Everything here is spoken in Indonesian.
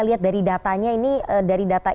lihat dari datanya ini dari data